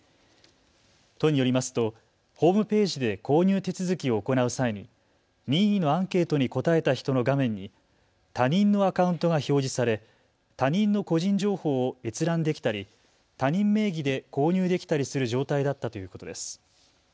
都によりますとホームページで購入手続きを行う際に任意のアンケートに答えた人の画面に他人のアカウントが表示され他人の個人情報を閲覧できたり他人名義で購入できたりする状態だったということです。